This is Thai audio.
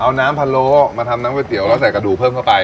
เอาน้ำพะโล้มาทำน้ำก๋วแล้วใส่กระดูกเพิ่มเข้าไป